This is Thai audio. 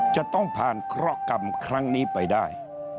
จะต้องผ่านเคราะหกรรมครั้งนี้ไปได้